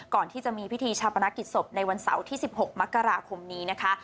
ก่อนที่จะมีพิธีชาปนกิจศพในวันเสาร์ที่๑๖มกราคมนี้นะคะ